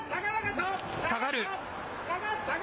下がる。